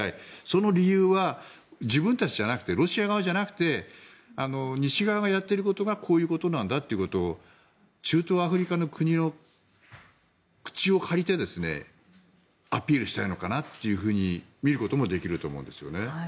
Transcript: その理由は自分たちじゃなくてロシア側じゃなくて西側がやっていることがこういうことなんだということを中東、アフリカの国の口を借りてアピールしたいのかなと見ることもできると思うんです。